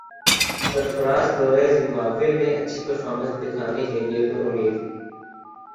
سرفرازدورہ Zimbabwe میں اچھی performance دکھانے کیلئے پر امید